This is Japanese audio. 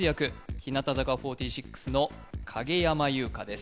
日向坂４６の影山優佳です